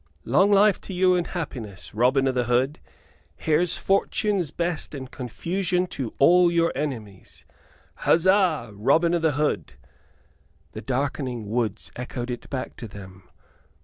"Long life to you and happiness, Robin o' th' Hood! Here's fortune's best and confusion to all your enemies! Huzza, Robin o' th' Hood!" The darkening woods echoed it back to them.